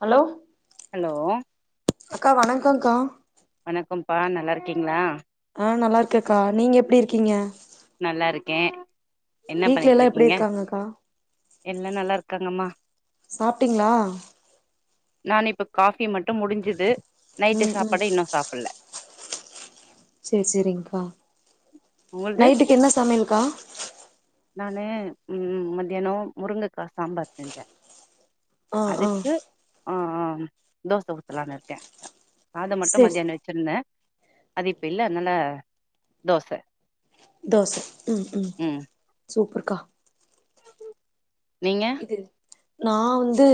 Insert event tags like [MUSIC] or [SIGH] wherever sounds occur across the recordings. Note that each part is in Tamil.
ஹலோ ஹலோ அக்கா வணக்கோங்கா வணக்கம்ப்பா நல்லாருக்கீங்ளா ஆ நல்லாருக்கக்கா நீங்க எப்டி இருக்கீங்க நல்லாருக்கே என்ன வீட்ல எல்லா எப்டி பண்ணிட்ருக்கீங்க இருக்காங்கக்கா எல்லா நல்லாருக்காங்கம்மா சாப்ட்டீங்ளா நானு இப்ப காஃபி மட்டு முடிஞ்சுது நைட்டு ம் ம் சாப்பாடு இன்னு சாப்பில்ல செரி செரிங்கா உங்கள்து நைட்டுக்கு என்ன சமையல்கா நானு ம் மத்தியானோ முருங்ககா சாம்பார் செஞ்சே ஆ ஆ அதுக்கு ஆ ஆ தோச ஊத்தலானு இருக்கே அத மட்டு சேரி மதியானோ வெச்சிருந்த அது இப்ப இல்ல அதனால தோச தோச ம் ம் சூப்பருக்கா நீங்க தில் நா வந்து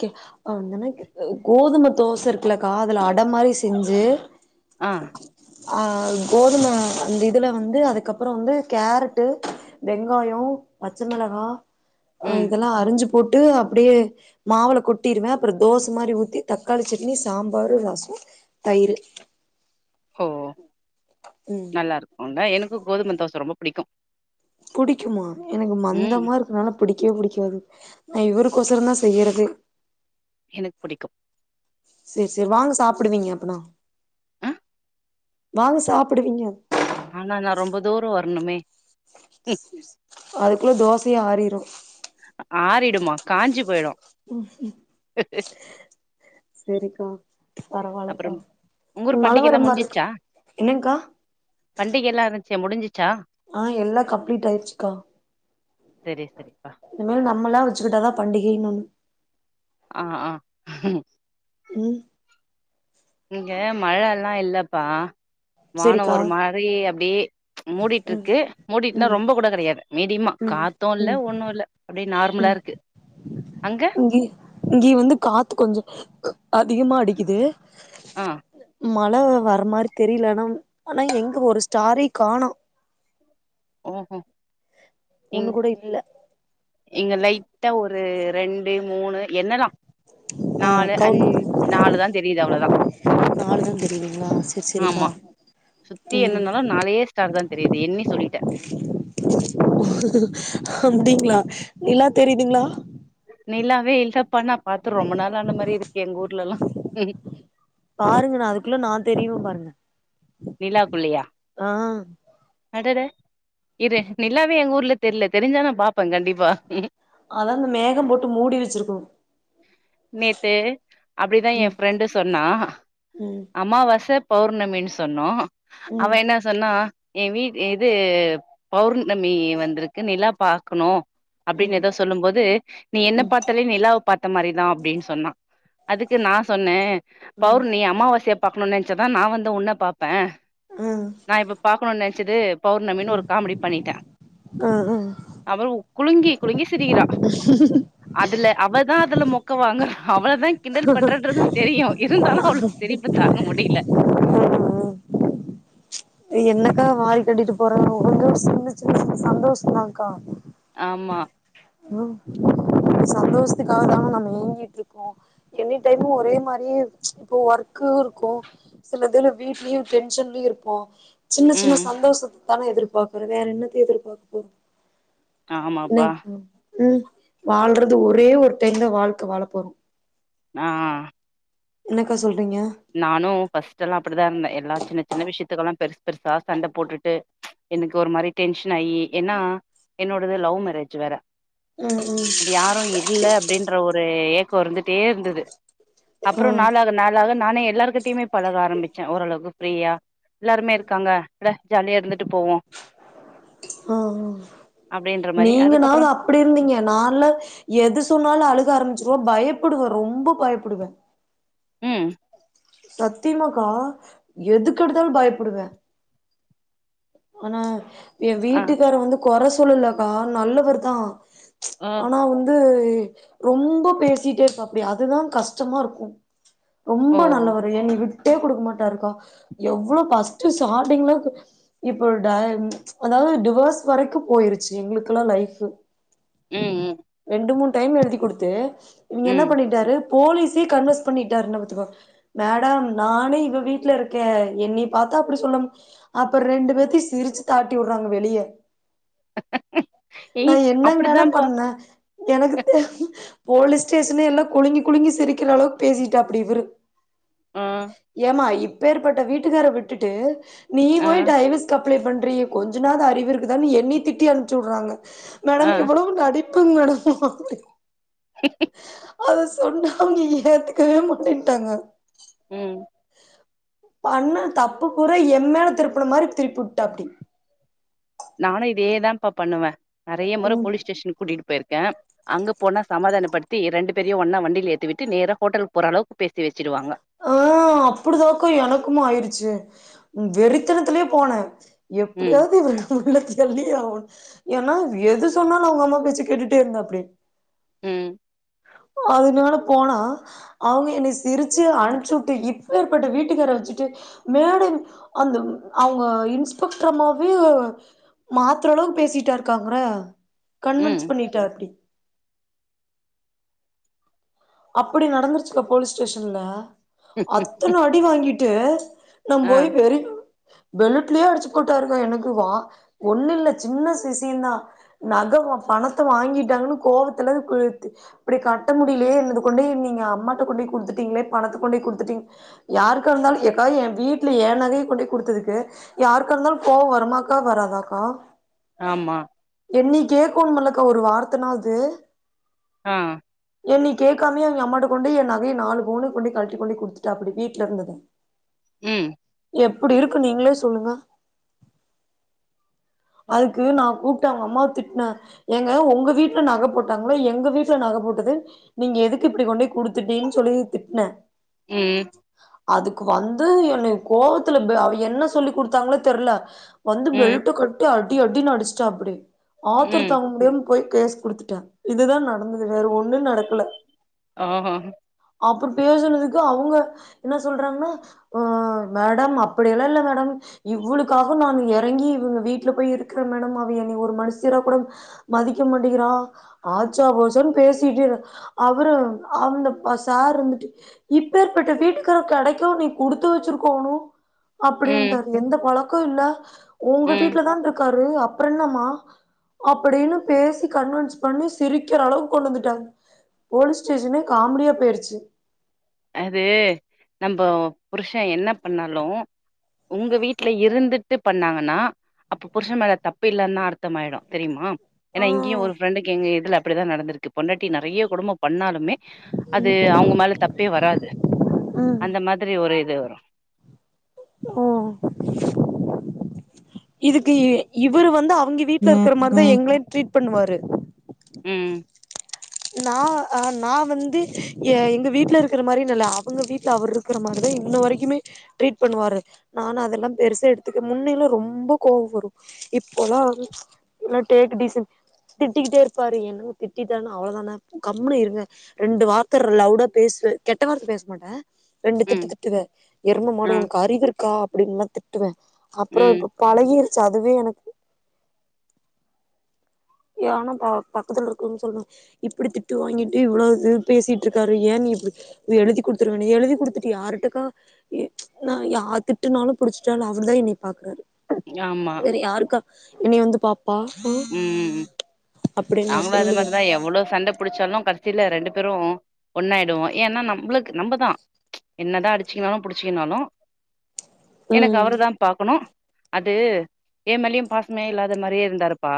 கே அந்தன கோதும தோச இருக்குலக்கா காதுல அட மாறி செஞ்சு ஆ அ கோதும அந்த இதுல வந்து அதுக்கப்பறோ வந்து கேரட்டு வெங்காயோ பச்சமெளகா அ ம் இதெல்லா அரிஞ்சு போட்டு அப்டியே மாவுல கொட்டிருவே அப்பறோ தோச மாறி ஊத்தி தக்காளி சட்னி சாம்பாரு ரசோ தயிரு ஓ ம் நல்லா இருக்கும்டா எனக்கு கோதும தோச ரொம்ப புடிக்கு புடிக்குமா எனக்கு ம் மந்தமா இருக்குனால புடிக்கவே புடிக்காது நா இவருக்கொசர தா செய்யறதே எனக்கு புடிக்கு செரி செரி வாங்க சாப்புடுவீங்க அப்பனா ஆ வாங்க சாப்புடுவீங்க ஆனா நா ரொம்ப தூரோ வரணுமே செரி செரி அதுக்குள்ள தோசயே ஆறிரு ஆறிடுமா காஞ்சிபோய்ரு செரிக்கா பரவாலகா அப்புறம் உங்க ஊர் மழ பண்டிகை வர எல்லா மாருக்கு என்னங்க்கா பண்டிகையெல்லா இருந்துச்சே முடிஞ்சிச்ச ஆ எல்லா கம்ப்லீட் ஆயிருச்சுக்கா சரி சரிப்பா இன்னொன்னு நம்மளா வச்சக்கிட்டாதா பண்டிகைன்னு ஒன்னு ஆ ஆ ம் இங்க மழலா இல்லப்பா வானோ செரிக்கா ஒரு மாரி அப்டியே ம் மூடிட்ருக்கு மூடிட்ன்னா ம் ரொம்ப கூட கெடையாது மீடியமா ம் காத்து இல்ல ம் ஒண்ணு இல்ல அப்டியே நார்மலா ம் இருக்கு அங்க இங்கி இங்கயு வந்து காத்து கொஞ்ச அதிகமா அடிக்குது ஆ மழ வர மாரி தெரியல ஆனா ஆனா எங்க ஒரு ஸ்டாரே காணோ ஓஹோ இங் ஒண்ணு கூட இல்ல இங்க லைட்டா ஒரு ரெண்டு மூணு எண்ணலா ஆ நாலு கவுண்ட் அஞ்சு நாலு தா தெரியுது அவ்ளோதா நாலுதா தெரியுதுங்களா செரி செரிக்கா ஆமா சுத்தி ம் எண்ணுனதா நாலே ஸ்டார் தா தெரியுது எண்ணி சொல்லிட்டே அப்டிங்களா நிலா தெரியுதுங்களா நிலாவே இல்லப்பா நா பாத்து ரொம்ப நாள் ஆனா மாறி இருக்கே எங்க ஊர்லல்லா ம் ம் பாருங்க நா அதுக்குள்ள நா தெரிவே பாருங்க நிலா குள்ளயா ஆ அடட இரு நல்லாவே எங்க ஊர்ல தெரில தெரிஞ்சா நா பாப்பே கண்டிப்பா அதா அந்த மேகம் போட்டு மூடி வச்சிருக்கு நேத்து அப்படிதா ஏ ம் ஃப்ரெண்டு சொன்னா ம் அம்மாவாச பௌர்ணமின்னு சொன்னோ அவ ம் என்னா சொன்னா ஏ வீட் எது பௌர்ணமி வந்திருக்கு நிலா பாக்கணு அப்டின்னு ம் எதோ சொல்லும் போது நீ என்ன ம் ம் பாத்தாலே நீ நிலாவ பாத்த மாரிதா அப்டின்னு சொன்னா அதுக்கு நா சொன்ன ம் பௌர்ணி அமாவாசயை பாக்கணும்னு நனைச்சாதா நா வந்து உன்ன பாப் ப்பே ஆ நா இப்ப நினைச்சது பௌர்ணமின்னு ஒரு காமெடி பண்ணிட்டே ஆ அவளு குலுங்கி குலுங்கி சிரிகிறா ஹ அதுல அவதா அதுல மொக்க வாங்குறா அவளதா கிண்டல் பண்றேன்றது தெரியு இருந்தாலு அவளுக்கு சிரிப்பு தாங்க முடில ம் என்னக்கா வாரி கட்டிட்டு போறோ ஒவ்வொன்னு ஒரு சின்ன சின்ன சந்தோஷந்தாக்கா ஆமா ஆ இந்த சந்தோஷத்துக்காக தான நம்ம ஏங்கிட்டு இருக்கோ எனி டைமு ஒரே மாரியே இப்போ ஒர்க்கு இருக்கு சிலதுல வீட்லயு டென்ஷன்லயு இருப்போ சின்ன சின்ன ம். சந்தோஷத்தத்தான எதிர்பாக்குறோ வேற என்னத்த எதிர்பாக்க போறோ என்ன ஆமாப்பா. ஓ ம் வாழ்றது ஒரே ஒரு டைம்தா வாழ்க்க வாழ போறோ ஆ ஆ என்னக்கா சொல்றீங்க நானு ஃபர்ஸ்ட் எல்லா அப்டிதா இருந்தே எல்லா சின்ன சின்ன விஷயத்துக்குல்லா பெருசு பெருசா சண்ட போட்டுட்டு எனக்கு ஒரு மாரி டென்ஷன் ஆயி ஏன்னா என்னோடது லவ் மேரேஜ் வேற ம் ம் அப்டி யாரு இல்ல அப்டின்ற ஒரு ஏக்கோ இருந்துட்டே இருந்தது அப்பறோ ம் நாளாக நாளாக நானே எல்லாருகிட்டயுமே பழக ஆரம்பிச்சே ஓரளவுக்கு ஃப்ரீயா எல்லாருமே இருக்காங்க அட ஜாலியா இருந்துட்டு போவோ ஆ ஆ அப்டின்ற மாரி அதுக்கப்புறோ நீங்கனாவது அப் டி இருந்தீங்க நான்ல எது சொன்னாலு அழுக ஆரம்பிச்சிருவே பயப்படுவே ரொம்ப பயப்படுவே ம் சத்தியமாக்கா எதுக்கெடுத்தாலு பயப்படுவே ஆனா ஏ ஆ வீட்டுக்கார வந்து கொறை சொல்லலக்கா நல்லவர் தா ஆ ஆனா வந்து ரொம்ப பேசிட்டே இருப்பாப்டி அதுதா கஷ்டமா இருக்கு ஓ ரொம்ப நல்லவரு என்னய விட் டே குடுக்க மாட்டாருக்கா எவ்ளோ ஃபர்ஸ்ட் ஸ்டாரிங்ல இப்போ ட அதாவது டிவர்ஸ் வரைக்கு போயிருச்சி எங்களுக்கெல்லா லைஃபு ம் ம் ரெண்டு மூணு டைம் எழுதி குடுத்து இவங்க என்ன ம் பண்ணிட்டாரு போலீஸே கன்வர்ஸ் பண்ணிட்டாருன்னா பாத்துக்கோ மேடம் நானே இவ வீட்ல இருக்கே என்னிய பாத்தா அப்டி சொல்ல அப்பறோ ரெண்டு பேத்தையு சிரிச்சு தாட்டி விடுறாங்க வெளிய ஏ நா என்னங்க மேடம் அப்டித்தான்ப்பா பண்ணே எனக்கு தெ போலீஸ் ஸ்டேஷனே எல்லா குலுங்கி குலுங்கி சிரிக்கிற அளவுக்கு பேசிட்டாப்டி இவரு ஆ ஏமா இப்பேற்பட்ட வீட்டுக்கார விட்டுட்டு நீ ஆ போய் டைவஸ்க் அப் ளே பண்றியே கொஞ்ச நாது அறிவு இருக்காதுன்னு என்னிய திட்டி அம்ச்சி விடுறாங்க ஆ மேடம் இவ்வளவு நடிப் புங்க மேடம் அப்டின் அத சொன்ன அவங்க ஏத்துக்கவே மாட்டேன்டாங்க ம் பண்ண தப்பு பூற எம் மேல திருப்புன மாரி திருப்பி விட்டுடாப்டி நானு இதேதாப்பா பண்ணுவே நெறைய முற ம் போலீஸ் ஸ்டேஷன்க்கு கூட்டிட்டு போயிருக்கே அங்க போனா சமாதானப்படுத்தி ரெண்டு பேரயு ஒன்னா வண்டில ஏத்திவிட்டு நேர ஹோட்டலுக்கு போற அளவுக்கு பேசி வச்சிடுவாங்க ஆ அப்டிதாக்கா எனக்குமே ஆயருச்சி வெறித்தனத்துலயே போனே ம் எப்டியாவது ஒரு உள்ள தள்ளி அவ ஏனா எது சொன்னாலு அவ்ங்க அம்மா பேச்ச கேட்டுட்டே இருந்தா எப்டி ம் அதுனால போனா அவ்ங்க என்ன சிரிச்சு அனுப்சுட்டு இப்பேற்பட்ட வீட்டுக்கு வர வச்சிட்டு மேடம் அந்த அவ்ங்க இன்ஸ்பெக்ட்ர் அம்மாவே மாத்திரளவுக்கு பேசிட்டாருக்காங்ன்றே கன்வின்ஸ் ம் பண்ணிட்டாப்டி அப்புடி நடந்துருச்சுக்கா போலீஸ் ஸ்டேஷன்ல அத்தன அடி வாங்கிட்டு நம் ஆ போய் பெருகு பெலூட்லே அடிச்சு போட்டாருக்கா எனக்கு வா ஒன்னு இல்ல சின்ன சி சீன் தா நக ஒ பணத்த வாங்கிட்டாங்கனு கோவத்துல இது கூத்து இப்டி கட்ட முடிய்லயே என்னது கொண்டே நீங்க அம்மாட்ட கொண்டோய் குடுத்துட்டீங்ளே பணத்தக் கொண்டோய் குடுத்துட்டீங் யாருக்கா இருந்தாலு ஏக்கா எ வீட்ல எ நகைய கொண்டோய் குடுத்ததுக்கு யாருக்கா இருந்தாலு கோவ வருமாக்கா வராதாக்கா ஆமா என்னைய கேக்கனுமிலக்கா ஒரு வார்த்தனாது ஆ என்னை கே க்காமயே எங்க அம்மாட்ட கொண்டோய் எ நகைய நாலு பவுணுக்கு கொண்டோய் கழட்டி கொண்டோய் குடுத்துட்டாப்டி வீட்ல இருந்தத ம் எப்டி இருக்கு நீங்ளே சொல்லுங்க [INAUDIBLE] அதுக்கு நா கூப்ட்டு அவ்ங்க அம்மாவ திட்ன ஏங்க ஒங்க வீட்ல நக போட்டங்ளா எங்க வீட்ல நக போட்டது நீங்க எதுக்கு இப்டி கொண்டோய் குடுத்துட்டீன் சொல்லி திட்ன ம் அதுக்கு வந்து என்னை கோவத்துல ப அவ என்ன சொல்லி்க்குடுத்தாங்ளே தெர்ல வந்து ம், பெல்ட்ட கழ்ட்டி அடி அடினு அடுச்சிட்டாப்டி ஆத்தர ம். தாங்க முடியாம் போய் கேஸ் குடுத்துட்டே இதுதா நடந்தது வேற ஒன்னு நடக்கல ஆ ஹா அப்றோ பேசுனதுக்கு அவ்ங்க என்ன சொல்றாங்னா ஓ மேடம் அப்படியெல்லா இல்ல மேடம் இவ்வளுக்காக நானு எறங்கி இவுங்க வீட்ல போய் இருக்கிற மேடம் அவ என்னய ஒரு மனசியாக் கூட மதிக்க மாட்டிக்குறா ஆச்சா போசான் பேசிட்டே இரு அவரு அந்தப்ப சார் இருந்துட்டு இப்பேற்பட்ட வீட்டுக்காரு கெடைக்கவு நீ குடுத்து வெச்சிருக்கோணு ம், அப்டின்ட்டாரு எந்த பழக்க இல்ல ங்க ம். வீட்லதான் இருக்காரு அப்ற என்னமா அப்டின்னு பேசி கன்வின்ஸ் பண்ணி சிரிக்கிற அளவுக்கு கொண்டு வந்துட்டாங்க போலீஸ் ஸ்டேஷனே காமெடியா போயிருச்சு அது நம்ப புருஷ என்ன பண்ணாலு உங்க வீட்ல இருந்துட்டு பண்ணாங்கனா அப்ப புருஷ மேல தப்பில்லன்னா அர்த்தமாயிடு தெரியுமா ஆ ஏனா இங்கயு ஒரு ஃப்ரெண்டுக்கு எங்க இதுல அப்டிதா நடந்திருக்கு பொண்டாட்டி நெறைய கொடும பண்ணாலுமே அது அவ்ங்க மேல தப்பே வராது ம் அந்த மாதிரி ஒரு இது வரு ஓ இதுக்கு இவரு வந்து அவிங்க வீட்ல ம், இருக்குற மாரிதா ம், எங்களையு ட்ரீட் பண்ணுவாரு ம் நா அ நான் வந்து ஏ எங்க வீட்ல இருக்கிற மாரினில்ல அவங்க வீட்ல அவர் இரு க்குற மாரிதான் இன்ன வரைக்குமே ட்ரீட் பண்ணுவாரு நானா அதெல்லாம் பெருசா எடுத்துக்கன் முன்னையில ரொம்போ கோவ் வரு இப்போல்லாம் டேக்குடீசினு திட்டிக்கிட்டே இருப்பாரு எனோ திட்டிடனா அவ்வளோதான கம்னு இருங்க ரெண்டு வார்த்தர் லவுடா பேசுவ கெட்ட வார்த்த பேசமாட்டேன் ரெண்டு திட்டு ம். திட்டுவேன் எறும மாடு உனக்கு அறிவு இருக்கா அப்டின்னுல்லாம் திட்டுவேன் அப்பறோ பழகிருச்சு அதுவே எனக்கு ஏனா ப பக்கத்துல இருக்குன்னு சொல்லு இப்டி திட்டு வாங்கிட்டு இவ்ளோவு பேசிட்டு இருக்காரு ஏன் நி இப் எழுதி குடுத்துருவேன் எழுதி குடுத்துட்டு யாருட்டக்கா நான் யா திட்டனாலும் புடிச்சட்டாலும் அவருதான் என்னய பாக்குறாரு ஆமா வேற யாருக்கா என்ன வந்து பாப்பா ம் அப்டின்னு நா நாங்களு அது சொல்லுவே மாரிதான் எவ்ளோ சண்ட புடிச்சாலும் கட சில ரெண்டு பேரும் ஒண்ணாயிடுவோம் ஏன்னா நம்மளுக்கு நம்மதான் என்னதான் அடிச்சுக்கனாலும் புடிச்சுங்கனாலும் எனக்கு ம் அவரு தான் பாக்கணும் அது ஏமேலயும் பாசமே இல்லாத மாரியே இருந்தாரு ப்பா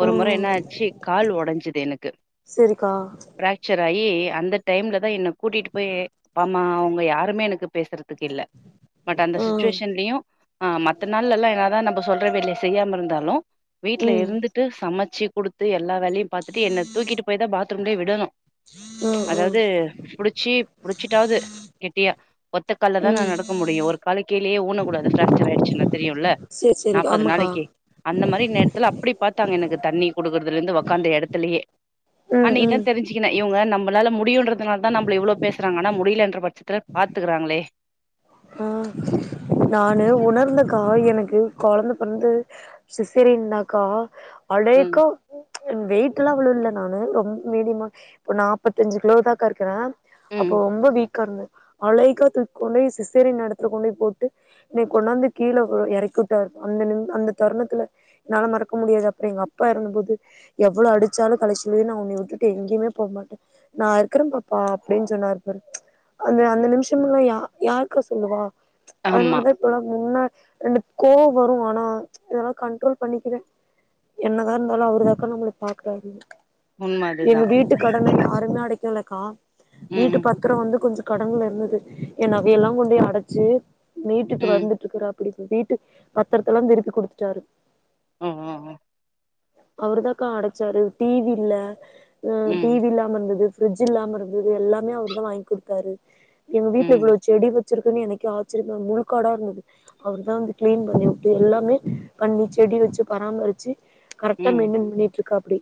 ஒரு முறை ம் என்னாச்சு கால் உடஞ்சுது எனக்கு செரிக்கா ப்ராக்சர் ஆயி அந்த டைம்ல தான் என்ன கூட்டிட்டு போய் அமா அவுங்க யாருமே எனக்கு பேசுரதுக்கு இல்ல பட் அந்த ம் சுச்சுவேஷன்லயும் ஆ மத்த நாள்லல்லாம் என்னாதான் நம்ம சொல்ற வேலய செய்யாம இருந்தாலும் வீட்ல ம் இருந்துட்டு சமச்சு குடுத்து எல்லா வேலயும் பாத்துட்டு என்ன தூக்கிட்டு போயி தான் பாத்ரூம்லயே விடனு ம் ம் அதாவது புடிச்சி புடிச்சிட்டாவது கெட்டியா ஒத்த கால்ல தான் நா ம் நடக்க முடியும் ஒரு கால கீலயே ஊனக்கூடாது பிராக்சர் ஆயிடுச்சுன்னா தெரியும்ல சேரி சேரி ஆமாக்கா அந்த மாரி நேரத்துல அப்டி பாத்தாங்க எனக்கு தண்ணி குடுக்கறதுலருந்து உக்கார்ந்த எடத்துலயே ம் ம் அன்னைக்குதான் தெரிஞ்சுக்கினே இவங்க நம்மளால முடியுன்றது அதுனால தான் நம்மள இவ்ளோ பேசுறாங்கன்னா முடியலைன்ற பட்சத்தில் பாத்துக்கிறாங்களே ஆ நானு உணர்ந்தக்கா எனக்கு கொளந்த பிறந்து சிசேரின் தான்க்கா ம் அலேக்கா வெயிட்ல்லாம் விழுல நானு ரொம்ப மீடியம் இப்போ நாப்பத்தஞ்சு கிலோதான்கா இருக்கறே அப்போ ம் ரொம்ப வீக்கா இருந்தே அலேக்கா தூக்கி கொண்டு சிசேரின் எடத்துல கொண்டு போய் போட்டு என்னய கொண்டாந்து கீல இறக்குட்டாரு அந்த நிம் அந்த தருணத்துல என்னால மறக்க முடியாது அப்புர எங்க அப்பா இறந்த போது எவ்ளோ அடிச்சாலும் கடைசி வரைக்கும் நா உன்னய விட்டுட்டு எங்கேயுமே போமாட்டே நா இருக்கிறே பாப்பா அப்டின்னு சொன்னாரு பாரு அந்த அந்த நிமிஷம் இல்ல யா யார் க்கா சொல்லுவா ஆமா அதனாலவே இப்பெல்லா முன்ன ரெண்டு கோ வரும் ஆனா இதெல்லா கண்ட்ரோல் பண்ணிக்கிறே என்னதா இருந்தாலு அவருதாக்கா நம்மள பாக்குறாரு உண்ம அதுதா எங்க வீட்டு கடனை யாருமே அடைக்கலக்கா வீட்டு ம் பத் திர வந்து கொஞ்ச கடன்ல இருந்தது என் நகை எல்லா கொண்டே அடச்சி மீட்டுட்டு ம் வந்துட்டு இருக்கிறா ப்படிப்பு வீட்டு பத்திரத்த எல்லா திருப்பி குடுத்துட்டாரு ஆ ஆ ஆ அவர்தாக்கா அடைச்சாரு டிவி இல்ல ம் டிவி இல்லா ம்ந்துது ஃபிரிட்ஜ் இல்லாம இருந்துது எல்லாமே அவுர் தா வாங்கி குடுத்தாரு எங்க வீட்ல ம் இவ்ளோ செடி ச்சிருக்குன்னு எனக்கே ஆச்சரியமா முழுக்காடா இருந்துது அவரு தான் வந்து கிளீன் பண்ணிவுட்டு எல்லாமே பண்ணி செடி வச்சு பராமரிச்சி கரெக்டா ம் மெயின்ட்டன் பண்ணிட்டு இருக்காப்டி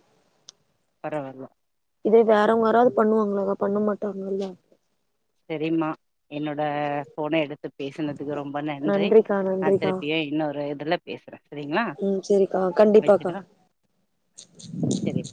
பரவால்ல இதே வேறவுங்க யாராது பண்ணுவாங்களாக்கா பண்ண மாட்டாங்கள்ல செரிம்மா என்னோட ஃபோன எடுத்து பேசனதுக்கு ரொம்ப நன்றி நன்றிக்கா நா நன்றிக்கா திருப்பியு இன்னொரு இதுல பேசுறே சரிங்ளா ஆ கண்டிப்பாக்கா செரி